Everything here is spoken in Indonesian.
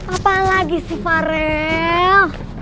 apaan lagi sih farel